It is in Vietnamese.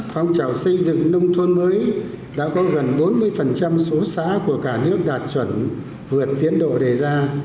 phong trào xây dựng nông thôn mới đã có gần bốn mươi số xã của cả nước đạt chuẩn vượt tiến độ đề ra